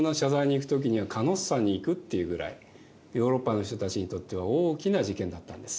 ヨーロッパの人たちにとっては大きな事件だったんです。